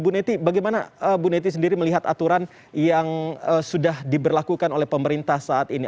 bu neti bagaimana bu neti sendiri melihat aturan yang sudah diberlakukan oleh pemerintah saat ini